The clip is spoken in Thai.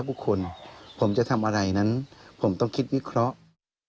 บุคคลผมจะทำอะไรนั้นผมต้องคิดวิเคราะห์